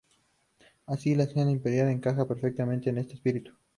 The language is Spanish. Así, la escalera imperial encaja perfectamente en este espíritu.